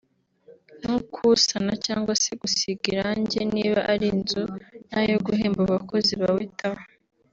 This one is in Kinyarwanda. nko kuwusana cyangwa se gusiga irange niba ari nzu n’ayo guhemba abakozi bawitaho